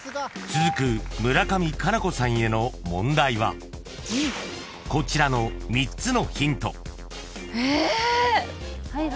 ［続く村上佳菜子さんへの問題はこちらの３つのヒント］え！